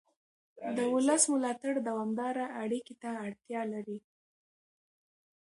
د ولس ملاتړ دوامداره اړیکې ته اړتیا لري